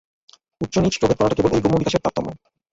উচ্চনীচ-প্রভেদ করাটা কেবল ঐ ব্রহ্মবিকাশের তারতম্য।